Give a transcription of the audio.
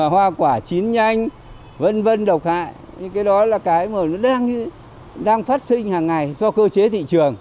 hoa quả chín nhanh vân vân độc hại những cái đó là cái mà nó đang phát sinh hàng ngày do cơ chế thị trường